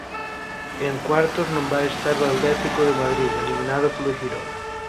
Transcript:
En cuartos non vai estar o Atlético de Madrid, eliminado polo Xirona.